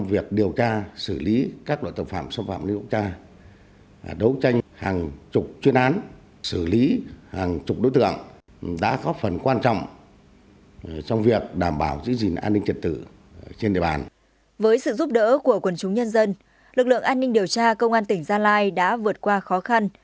với sự giúp đỡ của quần chúng nhân dân lực lượng an ninh điều tra công an tỉnh gia lai đã vượt qua khó khăn